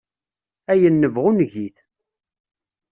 Ayen nebɣu neg-it.